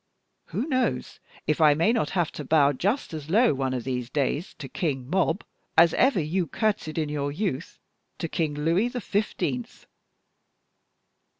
Who knows if I may not have to bow just as low one of these days to King Mob as ever you courtesied in your youth to King Louis the Fifteenth?"